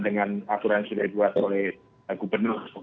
dengan aturan yang sudah dibuat oleh gubernur